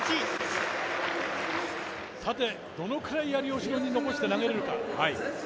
さて、どのくらいやりを後ろに残して投げれるか。